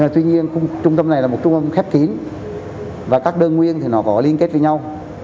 tuy nhiên trung tâm này là một trung ương khép kín và các đơn nguyên thì nó có liên kết với nhau